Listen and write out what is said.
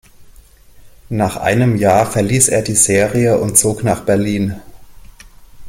Nach einem Jahr verließ er die Serie und zog nach Berlin.